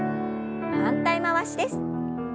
反対回しです。